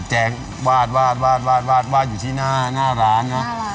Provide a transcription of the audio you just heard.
แจงวาดอยู่ที่หน้าร้านนะ